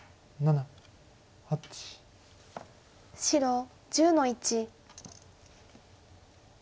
白１０の一。